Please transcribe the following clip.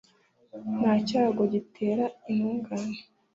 Nta cyago gitera intungane